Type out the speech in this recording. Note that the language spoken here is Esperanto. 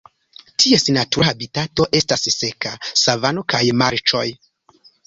Ties natura habitato estas seka savano kaj marĉoj.